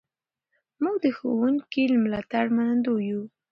موږ د ښوونکي له ملاتړه منندوی یو.